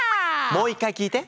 もう１回聞いて。